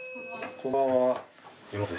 こんばんは。